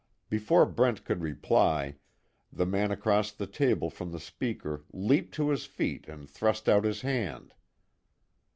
Before Brent could reply, the man across the table from the speaker leaped to his feet and thrust out his hand.